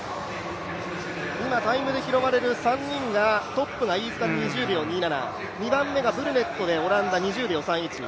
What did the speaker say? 今、タイムで拾われる３人がトップがトップが飯塚、２０秒２７、２番目オランダ２０秒３１。